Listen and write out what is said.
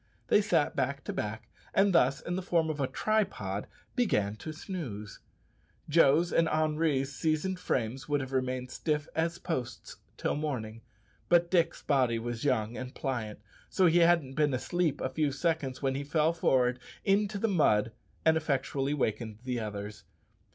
They sat back to back, and thus, in the form of a tripod, began to snooze. Joe's and Henri's seasoned frames would have remained stiff as posts till morning; but Dick's body was young and pliant, so he hadn't been asleep a few seconds when he fell forward into the mud and effectually awakened the others.